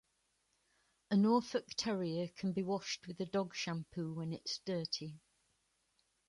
A Norfolk Terrier can be washed with a dog shampoo when it's dirty.